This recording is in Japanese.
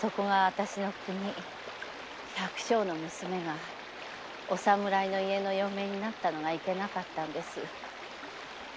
百姓の娘がお侍の嫁になったのがいけなかったんです。